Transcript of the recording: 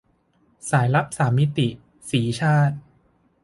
สายลับสามมิติ - สีชาติ